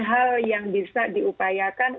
hal yang bisa diupayakan